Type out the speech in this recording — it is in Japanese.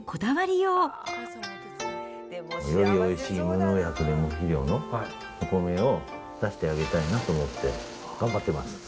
よりおいしい無農薬で無肥料のお米を出してあげたいなと思って、頑張ってます。